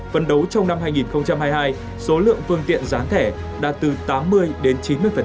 phần đấu trong năm hai nghìn hai mươi hai số lượng phương tiện gián thẻ đạt từ tám mươi đến chín mươi